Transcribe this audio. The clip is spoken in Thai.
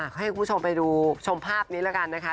เขาให้ผู้ชมไปดูชมภาพนี้ละกันนะคะ